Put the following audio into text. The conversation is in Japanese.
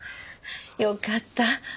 よかった。